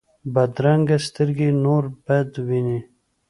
بدرنګه سترګې نور بد ویني